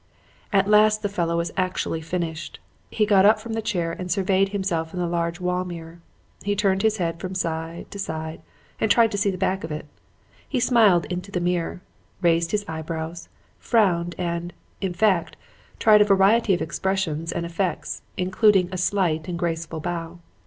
"At last the fellow was actually finished. He got up from the chair and surveyed himself in the large wall mirror. He turned his head from side to side and tried to see the back of it. He smiled into the mirror, raised his eyebrows, frowned and, in fact, tried a variety of expressions and effects, including a slight and graceful bow.